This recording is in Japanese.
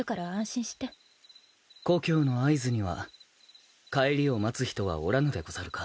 故郷の会津には帰りを待つ人はおらぬでござるか？